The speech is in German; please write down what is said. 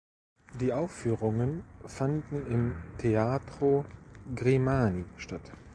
Die Aufführungen fanden im Teatro Grimani statt.